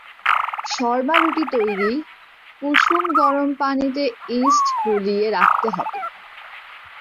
শর্মা রুটি তৈরি: কুসুম গরম পানিতে ইষ্ট গুলিয়ে রাখতে হবে।